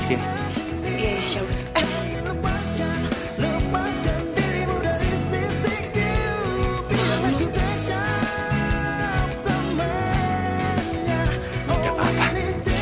jangan lupa bang